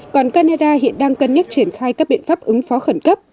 còn canada hiện đang cân nhắc triển khai các biện pháp ứng phó khẩn cấp